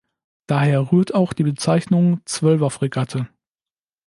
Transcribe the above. Daher rührt auch die Bezeichnung "Zwölfer-Fregatte".